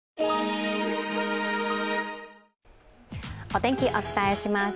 お天気、お伝えします。